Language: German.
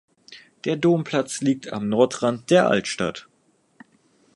Der Domplatz liegt am Nordrand der Altstadt.